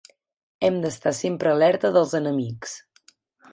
Hem d'estar sempre alerta dels enemics.